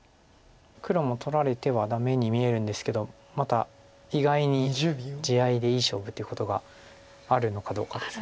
黒も取られてはダメに見えるんですけどまた意外に地合いでいい勝負ということがあるのかどうかです。